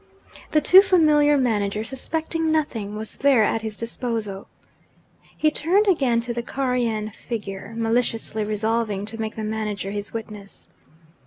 The too familiar manager, suspecting nothing, was there at his disposal. He turned again to the Caryan figure, maliciously resolving to make the manager his witness.